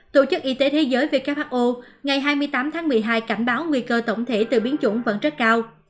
tổ chức y tế thế giới who ngày hai mươi tám tháng một mươi hai cảnh báo nguy cơ tổng thể từ biến chủng vẫn rất cao